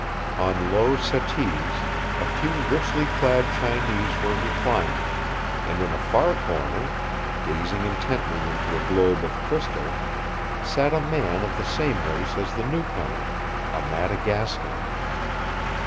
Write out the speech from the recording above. On low settees a few richly clad Chinese were reclining, and in a far corner, gazing intently into a globe of crystal, sat a man of the same race as the new comer, a Madagascan.